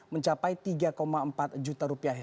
mencapai tiga empat juta rupiah